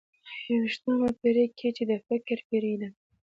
په یوویشتمه پېړۍ کې چې د فکر پېړۍ ده.